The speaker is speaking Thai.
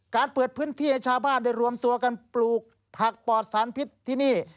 เปิดพื้นที่ให้ชาวบ้านได้รวมตัวกันปลูกผักปอดสารพิษที่นี่